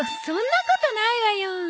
そそんなことないわよ。